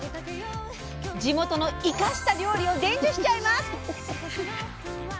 地元の「イカ」した料理を伝授しちゃいます。